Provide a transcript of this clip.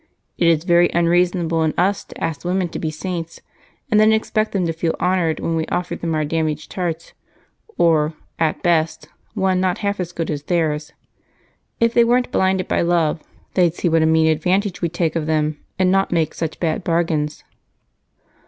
"It is very unreasonable in us to ask women to be saints and then expect them to feel honored when we offer them our damaged hearts or, at best, one not half as good as theirs. If they weren't blinded by love, they'd see what a mean advantage we take of them and not make such bad bargains."